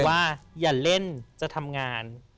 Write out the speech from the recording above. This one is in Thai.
ว่าอย่าเล่นจะทำงาน